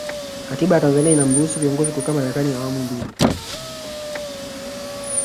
katiba ya tanzania inamruhusu kiongozi kukaa madarakani awamu mbili